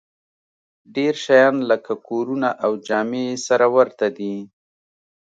ډېر شیان لکه کورونه او جامې یې سره ورته دي